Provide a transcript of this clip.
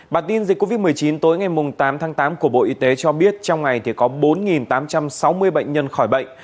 bản tin dịch covid một mươi chín tối ngày tám tháng tám của bộ y tế cho biết trong ngày có bốn tám trăm sáu mươi bệnh nhân khỏi bệnh